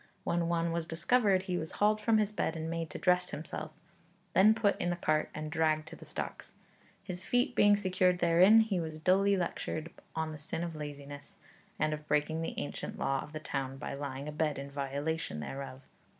When one was discovered, he was hauled from his bed and made to dress himself; then put in the cart and dragged to the stocks. His feet being secured therein, he was duly lectured on the sin of laziness, and of breaking an ancient law of the town by lying abed in violation thereof.